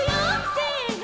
せの！